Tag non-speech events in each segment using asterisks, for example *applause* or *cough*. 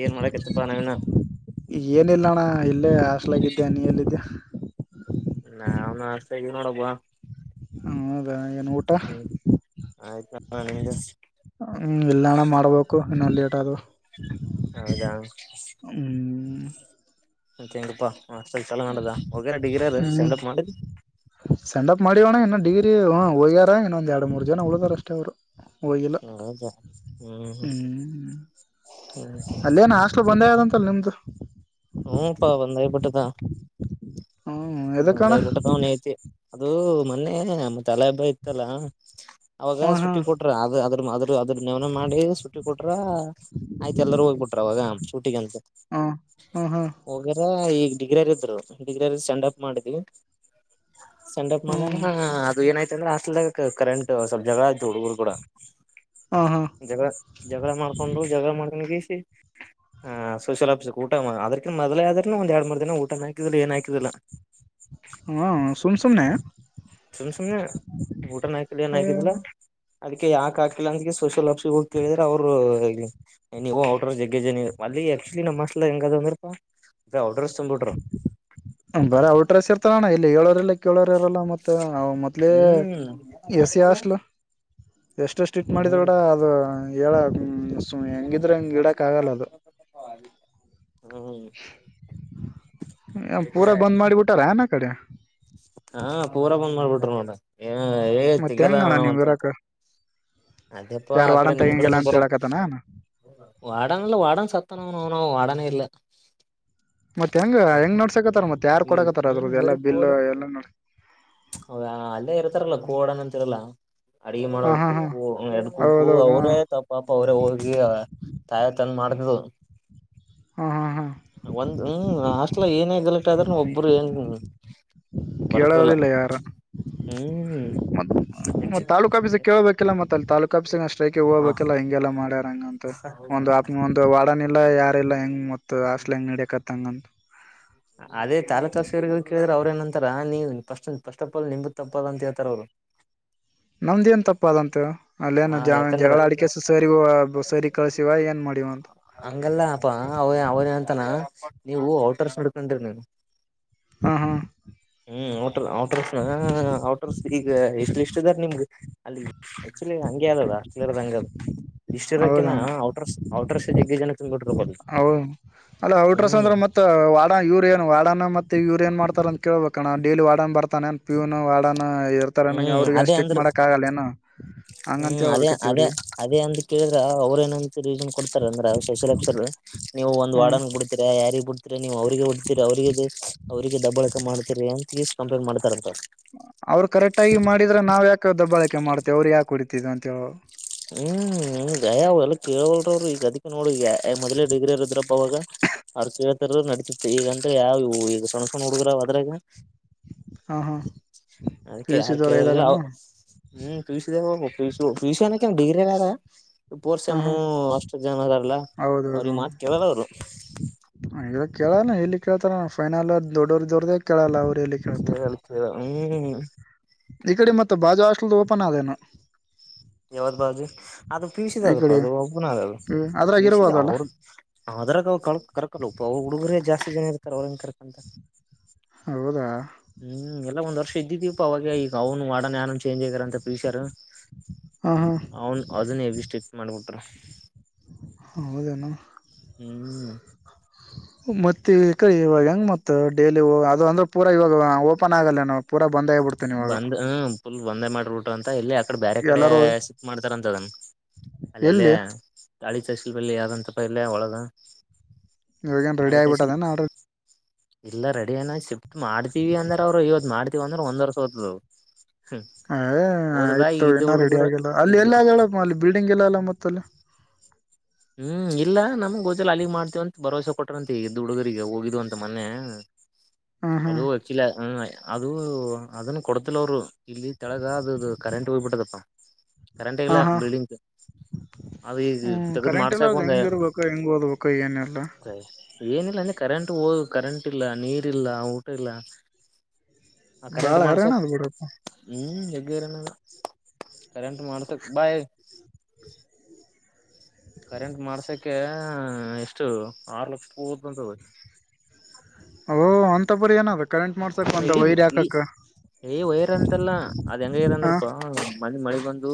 ಏನ್ ಮಾಡಕಪ್ಪ ನ ಏನಿಲ್ಲಣ ಇಲ್ಲೇ ಹಸ್ಲಾಗಿದ್ದ್ಯಾ ನೀ ಎಲ್ಲಿದ್ದ್ಯಾ ನಾವನ್ಸ್ತ ಇದವಿ ನೋಡಬುವ *inaudible* ಹ ಹೌದಾ ಏನು ಊಟ ಹಾ ನಿಗೆ ನನ್ನ ಲೇಟ ಅದು ಹೌದಾ ಹ್ಮ್ ಮೆಂಗಪ್ಪಾಸ್ ಚಲ ನದ ಡಿಗ್ರಿ ಸೆಂಡಪ್ ಮಾಡಿದ ಮಾಡಿಯೋಣ ಇನ್ನು ಡಿಗ್ರಿ ಹ ಒಯ್ಯಾರ ಇನ್ನೊಂದ ಎರಡು ಮೂರು ಜನ ಉಳಿದಾರ ಅಷ್ಟೆ ಅವರು ಹೌದ ಹ್ಮ್ ಹ್ಮ್ ಹ್ಮ ಹ್ಮ ಅಲ್ಲೇನ ಹಾಸ್ಟ್ಲ್ ಬಂದೇ ಆದಂತಲ್ ನಿಮ್ದು ಹ್ಮ ಪಾ ಬಂದಾಗಿಬಿಟ್ಟದ ಹ್ಮ್ ಎದಕ್ಕಣ ಬಂದಾಗಿಬಿಟ್ಟದ ಅವನ ಐತಿ ಅದು ಮೊನ್ನೆ ತಲೆ ಹಬ್ಬ ಇತ್ತಲ್ಲ ಅವಾಗ ಹ್ಮ್ ಸುಟ್ಟಿ ಹ್ಮ್ ಕೊಟ್ರ ಅದು ಅದ ಅದ್ರ ಅದ್ರ ನೆವನ ಮಾಡಿ ಸುಟ್ಟಿ ಕೊಟ್ರ ಆಯ್ತ ಎಲ್ಲಾರೂ ಹೋಗ್ಬಿಟ್ರ ಅವಾಗ ಶೂಟಿಗೆಂತ ಹ್ಮ್ ಹ್ಮ್ ಹ್ಮ್ ಹೋಗಾರ ಈಗ ಡಿಗ್ರಿರ್ಿದ್ರು ಡಿಗ್ರಿರ್ ಸ್ಯಾಂಡ್ಪ್ ಮಾಡಿದ್ವಿ ಸೆಂಡಪ್ ಮಾಡಣ ಹ್ಮ್ ಅದು ಏನಾಯ್ತ ಅಂದ್ರೆ ಅಸ್ಲ್ ಕರೆಂಟ್ ಸ್ವಲ್ ಜಗಳ ಆಯತು ಹುಡುಗರು ಕೂಡ ಹಾ ಹಾ ಜ ಜಗಳ ಮಾಡ್ಕೊಂಡರು ಜಗಳ ಮಾಡನ್ಿ ಹ ಸೋಷಿಯಲ್ ಆಫಿಸ್ ಕಊ ಅದ ಮೊದ್ೇ ಆದ್ರನು ಒಂದ ಎರಡು ಮೂರ್ ದಿನ ಊಟನ ಹಾಕಿದಿಲ್ಲ ಏನ್ ಹಾಕಿದಿಲ್ಲ ಹಾ ಸಮಸುಮನಾ ಸುಮ್ ಸುಮ್ನೆ ಊಟನ ಹಾಕಿಲ್ಲ ಏನ್ ಹಾಕಿದಿಲ್ಲ ಅದಕ್ಕೆ ಯಾಕ ಹಾಕಿಲ್ಲ ಅಂದಗೆ ಸೋಷಿಯಲ್ ಆಪ್ಸಿ ಹೋಗ್ ತಿಳಿದ್ರೆ ಅವರು ನೀವು ಅವ್ರ ಜಗ್ಜ ಅಲ್ಲಿ ಆಕ್ಚುಲಿ ನಮ್ಮ ಅಸ್ ಹೆಂಗ ಅದ ಅಂದ್ರಪ್ಪಾ ಅ ಆರ್ಡರ್ಸ್ ತೊ್ಬಿ್ರರು ಬರ ಔಟ್ರೆಿರ್ತರಾನ್ಣ ಇಲ್ಲ ಏಳೋರೆಲ್ಲ ಕೇಳೋರ್ಾರಲ್ಲ ಮತ್ತ ಮೊದ್ಲೆೇ ಹ್ಮ್ ಎಸ ಅಷ್ಟಲ ಎಷ್ಟು ಸಿಟ್ ಹ್ಮ್ ಮಾಡಿದ್ರ ಕೂಡ ಅದು ಹೇಳ ಸು ಹೆಂಗಿದ್ರೆ ಹಂಗ್ ಇಡಕ್ ಆಗಲ್ಲ ಅದು ಹ್ಮ್ ಪೂರಾ ಐಡಿಯಾ ಬಂದ್ ಮಾಡಿಬಿಟ್ಟಾರ ನ ಕಡೆ ಹಾ ಪೂರಾ ಬಂದ್ ಮಾಡ್ಬಿಟ್ರ ನೋಡ ಏ ಹೇ ಮತ್ ತಗಲ್ಲ ಹೆಂಗಣ್ಣ ನಣ ನೀವ್ ಅಂತಂತ ಇರಕ್ ಅದಪ್ಪಾ ಯಾರ್ ಆ ಕಡೆ ವಾರ್ಡನ್ ನಿಮ್ ತೆಗಂಗಿಲ್ಲ ಕಡೆನ ಅಂತ ಬರ ಹೇಳಕತನ ವಡಾನಲ್ಲ ವಡನ್ ಸತ್ತ ನ ನ ನ ಮಾಡಡಾನೇ ಇರ್ಲ್ಲ ಮತ್ತತ್ ಹೆಂಗ ಹೆಂಗ ನಡ್ಸಕತ್ತಾರ ಮತ್ತ್ತೆ ಯಾರ್ ಈ ಕೊಡಕತ್ತಾರ ಅದ್ರದ್ದ ಎಲ್ಲ ಬಿಲ್ ಎಲ್ಲಾ ನ ಹ ಅಲ್ಲೇ ಇರ್ತಾರಲ್ಲ ಕೋಡನ್ ಅಂತಿರಲ್ಲ ಅಡಗೆ ಮಾಡೋ ಹಾ ಹಾ ಹಾ ಕುಕ್ಕು ಎರಡ್ ಕುಕ್ಕು ಹೌದೌದು ಹಾ ಅವರೇ ತಪಾಪ ಅವರೇ ಹೋಗಿ ತಾಯ ತಂದ ಮಾಡ್ತು ಹಾ ಹಾ ಹಾ ಒಂದು ಹ್ಮ ಅಷ್ಟ ಅಲ ಏನೇ ಗಲೆಕ್ಟ್ ಆದ್ರ ಒಬ್ರು ಏಂಗ ಕಳವಲ್ಲ ಯಾರ ಹ್ಮ್ ಮತ್ತ ಹೆಚ್ಚ ಮತ್ತೆ ತಾಲೂಕ ಅಫಸಕ್ಕೆೇೇಳಬೇಕಲ್ಲ ಮತ್ತ ಅಲ್ಲಿ ತಾಲೂಕ ಅಫೀಸ ಅಷ್ಟೈ ಹ ಹೋಗಬೇಕಲ್ಲ ಹಿಂಗೆಲ್ಲ ಮ ಮಾಡ್ಯಂಗ ಒ ಒಂದು ವಡ ಇಲ್ಲ ಯಾರಲ್ಲಾ ಹೆಂಗ್ ಮತ್ ಆಸ್ಲ್ ಹೆಂಗ್ ಹಡಕ್ತ್ಂಗಂತ ಅದೇ ತಾಲೂಕರ್ ಕೇಳಿದ್ರೆ ಅವರು ನಂತರ ನೀವುಸ್ ಫಸ್ಟ್ ಅಫಲ್ ನಿಂಬುತ್ ತಪ್ಪಲ್ ಅಂತ ಹೇಳ್ತಾರ ಅವರು ನಮ್ದೇನ್ ತಪ್ಪ ಅದಂತ ಹಾ ಅಲ್ಲೇನು ಜಾವನ್ ಯಾಕಂದ್ರ ಜಗಳ ಅಡಿಕಸ ಸರಿ ಸರಿ ಕಳ್ಸಿವ ಏನ್ ಮಾಡಿವಂತ ಹಂಗಲ್ಲ ಅಪಾ ಅವ ಅವನ ಅಂತಾನ ನೀವು ಔಟರ್ಸ್ ನಡ್ಕೊಂಡಿರಿ ನೀನು ಹ್ಮ ಹಾ ಹ್ಮ ಟ ಹಟ್ರಸ್ ಔಟ್ರಸ್ ಈಗ ಇಷ್ಟ ಇದಾರ್ ನಿಮ್ಗೆ ಅಲ್ಲಿ ಆಕ್ಚುಲಿ ಹಂಗೆ ಅದು ಆಸ್ಟ್ರೇಿಯರ್ ಹಂಗದು ಇಷ್ಟ ಇರೋಕ ಹೌದಣ ಔಟರ್ಸ್ ಔಟರ್ಸ್ ಜಗ್ಗೆ ಜನ ತ್ಬ ಬಿಟ್ರ ಹ ಅಲ್ಲ ಔಟ್ರಸ್ ಅಂದ್ರ ಮತ್ತ ವಾಡಾ ಯೂರಿ ನ್ ವಾಡಾನ ಮತ್ತೆ ಯೂರಿ ಏನ್ ಮಾಡ್ತಾರಂತೆ ಕೇಳಳ್ಬೇಕಣ್ಣ ಡೈಲಿ ವಾಡನ್ ಬತಾನ ಏನ್ ಪ್ಯೂನ್ ವಡನ್ ಇರ್ತಾರನ ಹ್ಮ್ ಅವ್ರಗ ಅದೇ ಸ್ಟಿಕ್ ಅಂದ್ರ ಮಾಡಕ್ ಆಗಲ್ಲ ಏ ಹ್ಮ್ ಅದೇ ಅದೇ ಅದೇ ಅಂತ ಕೇಳಿದ್ರ ಅವ್ರ ನ್ ಕೊಡ್ತಾರೆ ಅಂದ್ರೆ ಸ್ಪೆಲ್ ಆರ್ ನೀವು ಒಂದಂದು ಹ್ಮ ವಾರ್ಡನ್ ಬಿಡ್ತೀರ ಯಾರ ಬಿ ನೀವು ಅವ್ರರಿಗೆ ಒಡ್ತೀರಿ ಅವ್ರರಿಗೆ ಅವ್ರರಿಗೆ ದಬ್ಬಾಳಕ ಮಾಡ್ತೀರಿ ಅಂತ ಕಂಪ್ಲೇಂಟ್ ಮಾಡ್ತಾರಂತ ಅವ್ರು ಕರೆಕ್ಟ್ ಆಗಿ ಮಾಡಿದ್ರ ನಾವ್ ಯಾಕೆ ದಬ್ಬಾಳಕೆ ಮಾಡ್ತೇವ ಅವ್ರ ಯಕಕ್ ಹೊಡಿತತಿದ ಅಂತ ಹೇಳ ಹ್ಮ್ ಗಯ ಅವ್ ಎಲ್ಲ ಕೇಳಲ್ರ ಈಗ ಅದಿ ನೋಡಿಗ ಮೊದ್ೇ ಡಿಗ್ರಿ ಇರದ್ರಪ್ಪ ಅವಾಗ ಅರ್ ನಡತಿತ್ತು ಈಗಂದ್ರೆ ಯಾವವು ಈಗ ಸಣ್ಣ ಸಣ್ಣ ಹುಡುಗರು್ ಅದ್ರಾಗ ಹ ಹಾ ಪಿ ಅದಕ್ಕೆ ಯು ಸಿ ಯಾರ ದವ್ರ ಕಲ್ಲ ಇದ್ದಾರೇನು ಹ್ಮ್ ್ಯೂ್ಯೂಷನ್ ಡಿಗ್ರಿ ಅಲ್ಲಾರ ಹ ಹಾ ಪೋರ್ಸಮ್ಮು ಅಷ್ಟು ಜನ ಅದಲ್ಲ ಅವ್ರಿಗೆ ಮಾತ್ ಕೇಳಲ್ಲ ಅವರು ಕೇಳಲ್ಲ ಎಲ್ಲಿ ಕೇಳ್ತಾರ ಫೈನಲ್ ದೊಡ್ಡೋ್ರ ದೊರ್ದ ಕೇಳಲ್ಲ ಅವ್ರ ಎಲ್ಲಿ ಕೇಳ್ತಾರ ಕೇಳಲ್ಲ ಕೇಳ ಹ್ಮ್ ಈ ಕಡೆ ಮತ್ತೆ ಬಾಜಾ ಹಾಸ್ಟೆಲ್ ಓಪನ್ ಆದೇನು ಯಾವದ್ ಬಾಜು ಅದು ಪೀಸಿದ ಅದ ಪ ಕಡೆ ಅದು ಒಬ್ಬನ ಅದ ಅದು ಅದ್ರಾಗ ಷ ಇರ್ಬೋದಲ್ಲ ಅವ್ರ ಆರಾಗ ಅವ ಕರಕಲ್ಲ ಅವ್ರ ಹುಡುಗರೇ ಜಾತಿ ನ ಇರ್ತಾರೆ ಅವ್ರನ್ ಕರ್ಕಂತ ಹೌದಾ ಹ್ಮ್ ಎಲ್ಲಾ ಒಂದ್ ವರ್ಷ ಇದ್ದಿದೀಪ್ಪ ಅವಾಗ ಈಗ ಅವ್ನು ವಾಡನ್ಾನ ಚೇಂಜ್ ಆಗ್ಯಾರ ಅಂತ ಪೀಸರ್ ಹ ಹಾ ಅವನ್ ಅದನ್ನ ಹೆ ಸ್ಟಿಪ್ಸ್ ಮಾಡ್ಬಿಟ್ರ ಹೌದನು ಹ್ಮ್ ಹ ಮತ್ತ ಈ ಕ ಇವಾಗ ಹೆಂಗ ಮ ಡೇಲಿ ಅದು ಅಂದ್ರೆ ಪೂರ ಇವಾಗ ಓಪನ್ ಆಗಲ್ಲ ನ ಪೂರ ಬಂದ್ ಹ ುಲ್ ಬಂದೇ ಮಾಡ್ರಬಟ್ರ ಅಂತ ಎಲ್ಲಿ ಆ ಕಡೆ ಬೇರೆ ಕಡೆ ಎಲ್ಲಾರೂ ಸಿಕ್ ಮಾಡ್ತಾರಂತದನ್ ಅಲ್ಲಲ್ಲೇ ಎಲ್ಲಿ ಗಾಳಿ ಚಲ್ ಬಲ್ಲಿ ಯಾವ್ದಂತ ಅ ಇಲ್ಲ ಅವಳದಾ ಇವಾಗ ಏನ್ ರೆಡಿ ಆಗಿಬಿು ಅದೇ ಆ ಇಲ್ಲ ರೆಡಿ ಏನ ಶಿಫ್ಟ್ ಮಾಡ್ತೀವಿ ಅಂದ್ರ ಅವ್ರು ಇವತ್ತು ಮಾಡ್ತೀವ ಅಂದ್ರೆ ಒಂದ್ ವರ್ಷ ಹೋದ್ತ್ ಆಯ್ತು ಏನ ರೆಡಿ ಹುಡುಗರು ಆಗಲ್ಲ ಅಲ್ಲಿ ಇದ್ದ ಎಲ್ಲ ಆ ಹೇಳಪ್ಪ ಅಲ್ಲಿ ಬಿಲ್ಡಿಂಗ್ ಎಲ್ಲ ಅಲ್ಲ ಮತ್ತ ಅಲ್ಲಿ ಹ್ಮ್ ಇಲ್ಲ ನಮ್ಗ್ ಗೋಜಲ್ ಅಲ್ಲಿಗ್ ಮಾಡ್ತೇವಂತ ಭರವಸೆ ಕೊಟ್ರಂತೆ ಈಗ ದುಡುಗರಿಗೆ ಹೋಗಿದ್ದ್ ಅಂತ ಮೊನ್ನೆ ಹ್ಮ್ ಹ್ಮ್ ಅದು ವಕಲ ಹ ಅದು ಅದನ್ನು ಕೊಡ್ತಿಲ್ಲ ಅವರು ಇಲ್ಲಿ ತೆಳಗ ಅದದು ಕರೆಂಟ್ ಹೋಗ್ಬಿಟ್ಟದಪ್ಪಾ ಕರೆಂಟ್ ಹಾ ಆಗಲ್ಲ ಹಾ ಬಿಲ್ಡಿಂಗ್ ಅದು ಈ ಹ್ಮ್ ಕರೆಂಟ್ ಎಲ್ಲ ಅದು ಹೆಂಗ ಇರ್ಬೇಕ ಹೆಂಗ್ ಓದ್ಬೇಕ ಏನೆಲ್ಲ ಏನಿಲ್ಲ ಅಂದ್ರೆ ಕರೆಂಟ್ ಹೋದ ಕರೆಂಟ್ ಇಲ್ಲ ನೀರ್ ಇಲ್ಲ ಊಟ ಇಲ್ಲ ಹ ಕರೆಂಟ್ ಬಾಳ ಹೈರಾಣ ಮಾಡ್ಸತ್ ಅದ್ ಬಿಡಪ್ಪ ಹ್ಮ್ ಕರೆಂಟ್ ಮಾಡ್ತಕ್ ಬಾಯ ಕರೆಂಟ್ ಮಾಡ್ಸಕ ಎಷ್ಟು ಆರು ಲಕ್ಷ ಪೂದಂತದ ಓಹ ಅಂಥ ಪುರಿ ಏನಾಗುತ್ತೆ ಮ ಇಡೀ ಇೀ ಏ್ ವೈರ್ ಅಂತೆಲ್ಲ ಅದ ಹೆಂಗ ಇದ ಹಾ ಅಂದ್ರಪ್ಪಾ ಮ ಮ ಒಂದು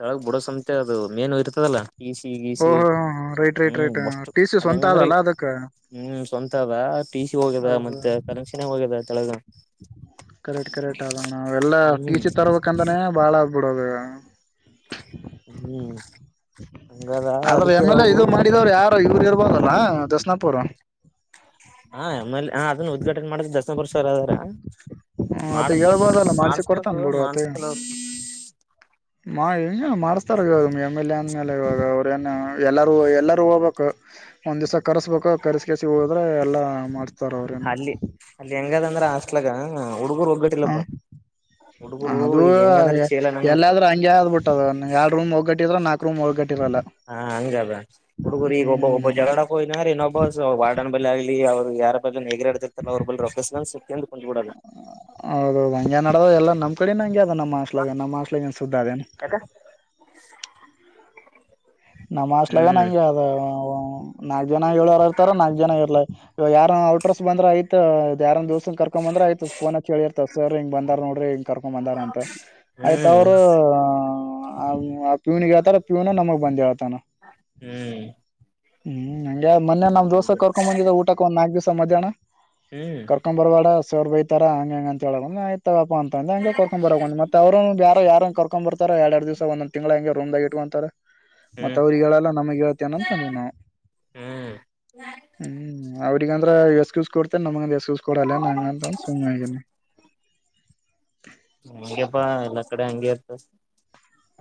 ತಳಗ್ ಬಿಡೋಸಂತೆ ಅದು ಮೇನು ಇರ್ತದಲ್ಲ ಈಸಿ ಗೀಸಿ ಹ ರೈಟ್ ರೈಟ್ ಹ್ಮ್ ರೈಟ್ ಒಷ್ಟು ಟಿ ಸಿ ಅದ್ ಸ್ವಂತ ಹೆಂಗಂದ್ರಿ ಆದದಲ್ಲ ಅದಕ್ ಹ್ಮ್ ಸ್ವಂತ ಅದ ಟಿ ಸಿ ಹೋಗಿದೆ ಹೌದು ಮತ್ತೆ ಕನೆಕ್ಷನ್ೇ ಹೋಗ್ಯಿದೆ ತಳಗ ಕರೆಕ್ಟ್ ಕರೆಕ್ಟ್ ಆದೋಣ ಎಲ್ಲ ಹ್ಮ್ ಟೀಚಿ ತರ್ಬೇಕ ಅಂದಾನೆ ಬಾಳ ಬಡದ ಹ್ಮ್ ಹಂಗಾದಾ ಅದಕ್ಕೆ ಅವರು ಇವರು ಇರ್ಬೋದಲ್ಲಾ ದಶನಾಪುರ್ ಹಾ ಎಮಲ್ಲಿ ಹ ಅದನ್ನು ಉದ್ಘಾಟನೆ ಮಾಡಿದ ದಸನ ವರ್ಷ ಸರ್ ಅದರ ಆತಗ್ ಮಾಡಸ್ಬೇಕ ಹೇಳ್ಬೋದಲ್ಲ ಮಾಡ್ಸಿ ಕೊಡ್ತಾನ ಮಾಡಸ್ಬೇಕು ಬಿಡು ಆತ ಮಾಡಸ್ *inaudible* ಮಾ ಹಿಂಗೆ ಮಾಡಿಸ್ತಾರೆ ಇವಾಗ ಎಮ್ ಎಲ್ ಎ ಅಂದಮೇಲೆ ಇವಾಗ ಅವ್ಏನು ಎಲ್ಲರೂ ಎಲ್ಲರೂ ಹೋಗ್ಬೇಕು ಒಂದ್ ದಿವಸ ಕರ್ಸ್ಬೇಕು ಕರ್ಸಿ ಕಸಿ ಹೋದ್ರೆ ಎಲ್ಲಾ ಮಾಡ್ತ ಅಲ್ಲಿ ಅಲ್ಲಿ ಹೆಂಗದ ಅಂದ್ರ ಹಸ್ಲಗ ಹುಡುಗರು ಒಗ್ಗಟ್ಟಿಲ್ಲಪ್ಪ ಹುಡುಗರು ಈಗ ಹೆಂಗಂದ್ರ ಚೇಲ ನನ್ ಮಕ್ಳು ಅದುಎಲ್ಲಾದ್ರೂ ಹಂಗೆ ಆದ್ಬಿಟ್ಟದ ಎರಡ್ ರೂಮ್ ಒಗಟ್ಟಿದ್ರ ನಾ ಹಾ ಹಂಗದ ಹುಡುಗರು ಈಗ ಒಬ್ಬ ಹ್ಮ್ ಒಬ್ಬ ಜಗಡಕ್ಕ ಹೋಗನ್ರ ಇನ್ನೊಬ್ಬ ವಾರ್ಡನ್ ಬಲ್ಲಿ ಆಗ ಲ್ಲಿ ಅವ್ರು ಯಾರ ಬ ಹೇಗರಾಡ್ತಿರ್ತಾರ ಅವ್ರ ಬ ರೊಕ್ಕಸ ಸಕ್ತಿ ಅಂತ ಕುಂದ್ಬಿಡಲ್ಲ ನಮ್ಮ ಕಡೆ ನಗೆ ಅದ ನ ಮಾಸ್ ನ ಮಾಸ್ ಸುದ್ದಾ ದ ಯಾಕ ನಮ್ಮ ಸ್ಲಗ ಹ್ಮ್ ಲಗಾನಗೆ ಯದ ನಾಲ್ಕ್ ಜನ ಹೇಳೋರ ಇರ್ತಾರ ನಾಲ್ಕ್ ಜನ ಇರ್ಲ ಯಾರ ಔಟ್ರಸ್ ಬಂದ್ರ ಆಯತ ಯಾರಂದ ಕರ್ಕೊ ಬಂದ್ರ ಆಯ್ತಕೇಳಿರ್ತ ಸರ್ ಹಿಂಗ ಬಂದ ನೋಡ್ರಿ ಕರ್ಕೊ ಬಂದಾರ ಅಂತ ಆಯ್ತ ಹ್ಮ್ ಅವರು ಹ ಆ ಪ್ಯೂನಿಗೆ ಹಳ್ತಾರ ಪೀೂನ ನಮಗ್ ಬಂದ ಆತಾನ ಹ್ಮ್ ಹ್ಮ್ ಹಂಗೆ ಮೊ ನಮ್ ಹ್ಮ್ ದೋಸೆ ಕರ್ಕೊಂಡ್ ಬಂದಿದ್ದ ಊಟ ಒ ನಾಕಕ್ ದಿವಸ ಮಧ್ಯಾಹ್ನ ಹ್ಮ್ ಕರ್ಕಂಬ ಬರ್ವಾಡ ಸೋರ್ ಬೈತಾರ ಹಂಗ ಹೆಂಗ ಅಂತ ಹೇಳ ಆಯ್ತ ಅಂದ ಹಂಗೆರ್ಕೊಂಡೊ ಬರ್ ಮತ್ತ ಅವರು ಬಾರ ಯಾರ ಕಕೊ ಬರ್ತೋ ಎಡು ದಿವ್ಸ ಒಂದ್ ತಿಂಗಳಂ ರೂಮ್ ನಗಇಅಂತಾರೆ ಮತ್ತ ಅವ್ರಗ್ ಹೇಳಲ್ಲ ನಮಗ್ ಹೇಳ್ತೇನಂತ ಅಂದಿವವಿ ನಾವು ಹ್ಮ್ ಹ್ಮ್ ಅವ ಈಗಂದ್ರ ಎಸ್ಸ್ ಕೊಡ್ತೆ ನಮ್ಗೆಂದ ಎಸ್ಕ್ಯೂಸ್ ಕೊಡಲ್ಲ ನಂಗ ಅಂತಂದ ಸುಮ್ಗೇನೆ ಹಂಗೆಪ್ಪಾ ಎಲ್ಲಾ ಕಡೆ ಹಂಗೆ ಇರ್ತ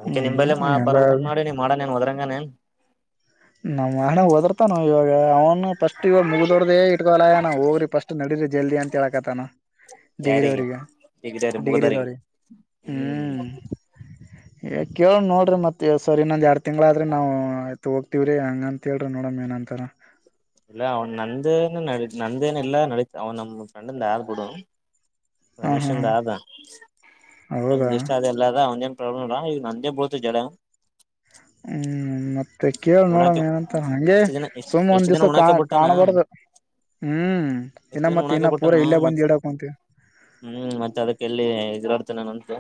ಅಕೆ ನಿಮಲ್ಲ ಹ್ಮ್ ಎಲ್ಲ ಬರ್ಂದ ಮಾಡಿ ನೀ ಮಾಡಣೇನ್ ಹದ್ರಂಗನೇನ್ ನಣಗ್ ಓದರ್ತಾನ ಇವಾಗ ಅವ ಸ್ಟ್ವ ಮುಗ್ದೋಡ್ದೇ ಇಟ್ಕೋನ ಹೋಗ್ರಿ ಫಸ್ಟ್ ನಡಡಿರಿ ಜಲ್ದಿ ಅಂತ ಹೇಳಕತ್ತತನ ಡಿಗ್ರಿ ಯಾರಿಗೆ ಅವ್ರಗ ಡಿಗ್ರಿಯರಿ ಮುಗದರಿಗೆ ಡಿಗ್ರಿದವ್ರಿಗೆ ಹ್ಮ್ ಕೇಳ ನೋಡ್ರಿ ಮತ್ತೆ ಸರ್ ಇನ್ನೊಂದು ಎರಡು ತಿಂಗ್ಳಾದ್ರೆ ನಾವು ಆಯತು ಹೋಗ್ವಿ ವ್ರೇ ಹಂಗ ಅಂತ ಹೇಳ್ರಿ ನೋಡಮ್ ಏನಂತಾರ ಇಲ್ಲ ಅವ್ನ್ ನಂದೇನು ನ ನಂದೇನ ಇಲ್ಲಾ ನಡೀತ ಅವನ್ ನಮ್ಮ್ ಫ್ರೆಂಡ್ಂದ ಆಳ್ ಬಿಡು ಹಾ ರಮೇಶ್ ಹಾ ಹಾ ಅಂದ್ರ ಆದ ಹೌದಾ ನಮಗೆ ಇಷ್ಟ ಅ ಎಲ್ಲದ ಅವನೇನ್ ಪ್ರಲ ಇಲ್ಲಾ ಈಗ ನಂದೇ ಬರುತ ಜಲ ಹ್ಮ್ ಮ ಮತ್ತೆ ಕೇಳ ನೋಡಮ ಏನಂತ ಹಂಗೆ ಎಷ್ಟು ದಿನ ಎಷ್ಟ ಸುಮ್ ಒಂದ್ ಎಷ್ಟು ದಿನ ದಿವ್ಸ ಕಾ ಉಣಾಕ ಬಿಟ್ಟಾನ ಕಾಣ್ಬಾರ್ದ ಹ್ಮ್ ಎಷ್ಟು ಇನ್ನ ದಿನ ಮತ್ತೆ ಉಣಾಕ ಇನ್ನ ಬಿಟ್ಟಾನ ಪೂರ ಇಲ್ಲೇ ಮತ್ ಬಂದ ಎಡಕ್ಂತೀವಿ ಹ್ಮ್ ಮತ್ತೆ ಅದಕ್ಕೆ ಎಲ್ಲಿ ಹೆರುಡ್ತನ ನಂತು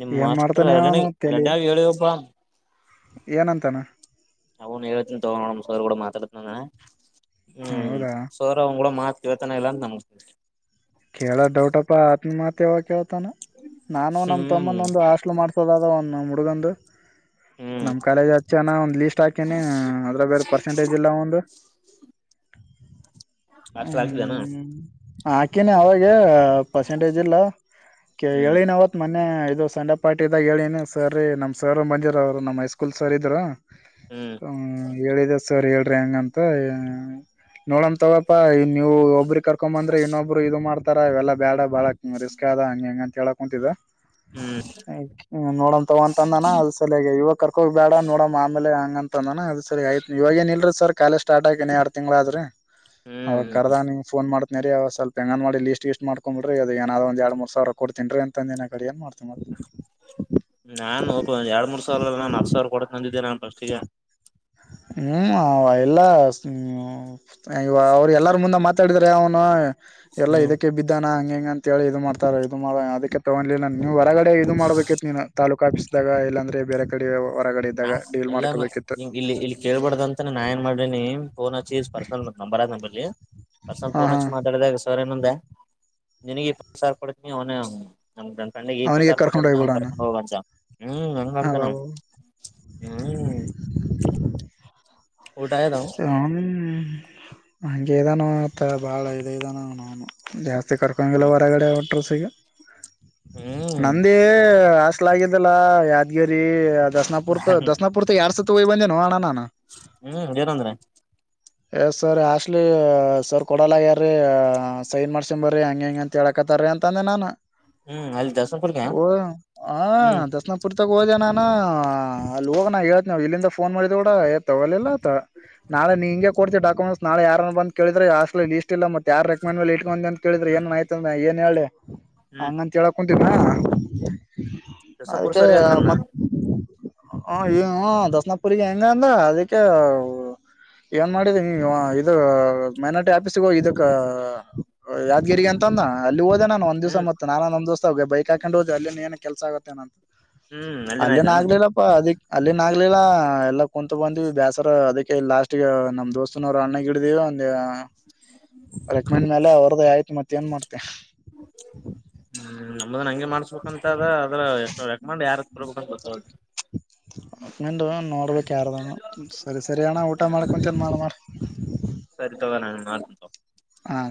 ನಿಮ್ಮ ಏನ್ ಮಾಸ್ತರ್ ಮಾಡ್ತಾನೆ ಎರಡನ ಅವನು ಅಡ ತಲಿ ಹೇಳ ಹಪ್ಪ ಏನಂತಾನ ಅವನು ಹೇಳತನಿ ತಗೋ ನೋಡ ಸರ್ ಕೂಡ ಮಾತಾಡತನ ನಾನ ಹ್ಮ್ ಹೌದಾ ಸೋರ ಅವ ಕೂಡ ಮಾತವೆತನ ಇಲ್ಲಾ ನಮ್ ಕೇಳ ದೌಟಪ್ಪ ಅತ್ ಮಾತ್ ಯಾವ ಕ ನ ನಾನು ನಮ ಹ್ಮ್ ತಮ್ಮನ ಒಂದು ಹಾಸ್ಲ್ ಮಾಡ್ಸೋದದ ಒನ್ ಮುಡುಗಂದು ಹ್ಮ್ ನಮ್ ಕಾಲೇಜ್ ಹಚ್ಚನ ಒಂದ್ ಲೀಸ್ ಹಾಕೇನಿ ಅದ್ರ ಬೇರೆ ಪರ್ಸೆಂಟೇಜ್ ಇಲ್ಲ ಒಂದು *unintelligible* ಹಷ್ಟಲ ಹಾಕ್ತಿದ್ದನಾ ಆಕಿನಿ ಅವಾಗ ಪರ್ಸೆಂಟೇಜ್ ಇಲ್ಲ ಹ್ಮ್ ಹೇಳಿನ ಅವತ್ ಮ ಇ ಇದು ಸಂಡೇ ಪಾರ್ಟಿ ಇದಾಗ ಹೇಳನಿ ಸರ್ ರೀ ನಮ್ಮ್ ಸರ್ ಬಂದಿರ ಅವರು ನಮ್ಮ ಹೈಸ್ಕೂಲ್ ಸರ್ ಇದರು ಹ್ಮ್ ಹ್ಮ ಹೇಳಿದೆ ಸರ್ ಹೇಳ ಹೆಂಗಂತ ನೋಡ ತಗಪ್ಪಾ ನೀವು ಒಬ್ರ ಕರ್ಕೊ ಬಂದ್ರೆ ಇನ್ನೊಬ್ಬ ಇದು ಮಾಡ್ತಾರ ಇವೆಲ್ಲ ಬ್ಯಾಡ ಬಾಳ ರಿಸ್ಕ್ ಅದ ಹಂಗ ಹೆಂಗ ಅಂತ ಹೇಳಕ್ ಕುಂತಿದ್ದ ಹ್ಮ್ ನೋಡಂ ತಗೊಂತಂದಾನ ಅಲ್ ಸಲಯಗ ಇವಾಗ ಕರ್ಕೋಬೇಡ ನೋಡ ಆಮೇಲೆ ಹಂಗಂತ ಅದು ಸರಿ ಆಯತ್ವ ಏನ್ ಇಲ್ರಿ ಸರ್ ಕಾಲೇಜ ಸ್ಟಾರ್ಟ ಆಕಿನನ್ ಎರಡ್ ತಿಂಗಳಾದ್ರೀ ಹ್ಮ್ ಅವಾಗ ಕರ್ದ ನಿಮ್ ಫೋನ್ ಮಾಡತನ ರೀ ಅವ ಸ್ವಲ್ಪ ಹೆಂಗನ್ ಮಾಡಿ ಲೀಸ್ ಇೀಸ್ ಮಾಡ್ಕೊಂಡಂಬ್ರ ಅ ಏಾದ್ ಒಂದ ಎರ ಮೂ ಸಾವರ ಕೊಡ್ತನ್ಿ ಅಂತಂದಏ ಅಡಏನ್ ಮಾಡ ನಾು ಎರಡ್ ಮೂರ್ ಸಾವಿರಲ್ಲ ನಾನು ಹತ್ತು ಸಾವಿರ ಕೊಡಂದಿದ್ದೇನೆ ನ ಬಷ್ಟತಾ ಹ್ಮ್ ಎಲ್ಲ್ಮ್ಮ ಅವರು ಎಲ್ಲಾರ ಮುಂದೆ ಮತ್ತ ಮಾತಾಡಿದ್ರೆ ಅವನು ಎಲ್ಲ ಹ್ಮ್ ಇದಕ್ಕೆ ಬಿದ್ದಾನ ಹಂಗ ಹೆಂಗಂತ ಹೇಳಿ ಇದು ಮಾಡ್ತಾರ ಇದು ಮಾಡ ಅದಕ್ಕೆ ತಗೊಂಡ್ಿಲ್ಲ ನೀವು ಹೊರಗಡೆ ಇದು ಮಾಡ್ಬೇಕಿತ್ ನೀನು ತಾೂಕ ಆಫೀಸ್ದಾಗ ಇಲ್ಲಾಂದ್ರೆ ಬೇರೆ ಕಡೆ ನಾ ಹೊರಗಡೆಿದ್ದಾಗ ಡೀಲ್ ಎಲ್ಲ ಮಾಡ್ಕೋಬೇಕಿತ್ತು ಇಲ್ಲಿ ಇಲ್ಲಿ ಕೇಳ್ಬಾರ್ದ ಅಂತ ನಾನ್ ಏನ್ ಮಾಡ್ರೀನಿ ಫೋನ್ ಹಚ್ಚಿ ಪರ್ನಲ್ ನಂಬರ್ ಅ ನಂಬರ್ಲ್ಲಿ ಪರ್ಸನಲ್ ಹ ಫೋನ್ ಹಾ ಹಚ್ಚಿ ಮಾತಾಡಿದಾಗ ಸರ್ ಏನೊಂದೆ ನಿನಗೆ ಸ ಪಡತ ನೀ ಒ ನಮ್ ನನ್ ಫೆಂಡಿಗೆ ಇಪ್ಪತ್ತು ಅವನಿಗೆ ಸಾವಿ ರೂಪಾಯಿ ಕರ್ಕೊಂಡ್ ಕೊತಿನನೆ ನಮ್ ಹೋಗ್ಬಿಡಣ ಕರ್ಕೊಂಡ್ ಹೋಗಂತ ಹ ಹಂಗ ಹ ಅಂತ ನಾವವು ಬಾಬು ಹ್ಮ್ ಊಟ ಆಯದ ಹ ಹಗೆ ಇದಾನ ಆ ಬಾಳ ಇದ ಇದ ನ ಜಾಸ್ತಿ ಕರ್ಕೊಂಡಂಗಿಲ್ಲ ಹ್ಮ್ ಹೊರಗಡೆ ಅ ಹ್ಮ್ ನಂದಿಯ ಕಾಸ್ಲ ಆಿದ್ದಲ್ಲಾ ಯಾದಗಿರಿ ದಸನಾಪುರ್ತ್ ದಸನಾಪುರ್ತ್ ಎರಡ್ ಸತ ಹೋಗಿ ಬಂದೆ ನೋ ಅಣಾನ ಹ ಹ್ಮ್ ಏನಂದ್ರೆ ಎ ಸರ್ ಆಸ್ಲಿ ಸರ್ ಕೊಡಲ್ಲಗ್ಯಾರೀ ಸೈನ್ ಮಾಡ್ಸ ಬರ್ರಿ ಹಂಗ ಹೆಂಗ ಅಂತ ಹೇಳಕ್ ಕತಾರಿ ಅಂತ ಅಂದೆ ನಾನು ಹ್ಮ್ ಅಲ್ಲಿ ದಸಪುರ್ಗ ಓ ಹ ಹ್ಮ್ ದರ್ಸನ ಪೂರ್ತಿ ತ್ತ ಹೋದೆನಾನ ಅಲ್ಲಿ ಹೋಗ ನೇಳ್ತಿ ನವು ಇಲ್ಲಿಂದ ಫೋನ್ ಮಾಡಿದ ಕೂಡ ಏ ತಗೊಲಿಲ್ಲ ತ ನಾಳೆ ಹಂ ಕೊಡ್ತೀ ಡಾಕಮೆಂಟ್ಸ್ಾಳೆ ಯಾರ ಬಂದು ಕೇಳಿದ್ರೆ ಆಲ್ಲಿ ಲಿಸ್ಟ ಇಲ್ಲತ್ತೆ ಯಾರ್ ರೆಕ್ಮ ಮಲೆ ಇಟ್ಕೊಂಡೆ ಅಂತ ಕೇಳಿದ್ರ ಏನ್ ಆ್ತಂದ ಏನ್ ಹೇಳಿ ಹ್ಮ್ ಹಂಗಂತ ಹೇಳಕ ದಸಪುರ್ ಅದಕ್ಕೆ ಸರಿ ಹಂಗನ್ನ ಮ ಹ ಈ ದಸನಪುರಿಗ ಹೆಂಗ ಅಂದ ಅದಕ್ಕೆ ಹ ಏನ್ ಮಾಡಿದ ಇದು ಮೈನಾಟಿ ಆಫೀಸ್ಗೆ ಹೋಗ ಇದಕ್ಕ ಯಾದಗಿರಿ ಅಂತ ಅಂದ ಅಲ್ಲಿ ಹೋದೆ ನಾನು ಒಂದ ದಿವ್ಸ ಹ್ಮ್ ಮತ್ತ ನಾನಂದ ಒಂದ್ ದಿವಸ ಬೈಕ್ ಹಾಕೊಂಡ ಹೋಗ ಅಲ್ಲಿ ಏನ್ ಕೆಲಸ ಆುತ್ತೆ ಹ್ಮ್ ಅಲ್ಲಿನ ಆಯ್ತಾನ ಆಗ್ಲಿಲ್ಲಪ್ಪ ಅದಿಕ್ ಅಲ್ಲಿನ ಆಗ್ಲಿಲ್ಲ ಎಲ್ಲ ಕುೂಂತು ಬಂದ್ವಿ ಬೇಸ್ ರ ಅದಕ್ಕೆ ಲಾಸ್ಟ್ಗ ನಮ್ ದೋಸ್ತನವರು ಅಣ್ಣಿಡಿದಿವವ ಒಂದ ರೆಕಮೆಂಡ್ ಮ್ಯಲೆ ಅವರ್್ದ ಆಯ್ತು ಮತ್ತ ಏನ್ ಮಾಡ್ತೆ ನ ಹಂಗೆ ಮಾಡಸ್ಬೇಕಂತ ಅದ ಅದ ರೆಕಂಡ್ ಯಾರ ಬರ್ಬೇಕಂತ ಗೊತ್ತ ನೋಡ್ಬೇಕ ಯಾರದ ಸರಿ ಸರಿ ಅಣ್ಣ ಊಟ ಮಾಡಕ ಮುಂಚನ್ ಮಾಡ ಮಾಡ ಸರಿ ಹಾ ಆ